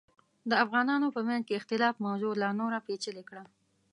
د افغانانو په منځ کې اختلاف موضوع لا نوره پیچلې کړه.